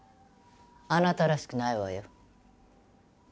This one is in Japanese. あなたらしくないわよ。